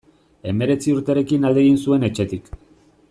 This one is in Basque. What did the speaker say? Hemeretzi urterekin alde egin zuen etxetik.